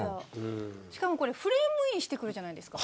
しかもフレームインしてくるじゃないですか。